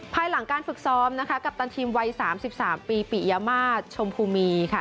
ภายหลังการฝึกซ้อมนะคะกัปตันทีมวัย๓๓ปีปิยามาตรชมพูมีค่ะ